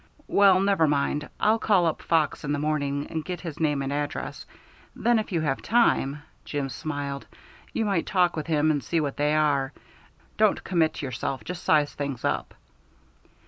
Well, never mind, I'll call up Fox in the morning and get his name and address. Then if you have time" Jim smiled "you might talk with him and see what they are. Don't commit yourself; just size things up."